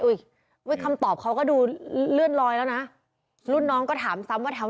คำตอบเขาก็ดูเลื่อนลอยแล้วนะรุ่นน้องก็ถามซ้ำว่าแถว